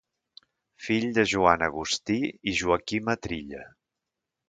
Fill de Joan Agustí i Joaquima Trilla.